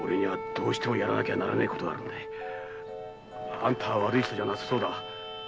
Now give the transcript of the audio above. あんたは悪い人じゃなさそうだ。